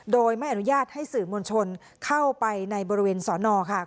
โดยไม่อนุญาตให้สื่อมวลชนเข้าไปในบริเวณสอนอค่ะ